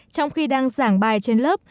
trong khi đang giảng bài trên lớp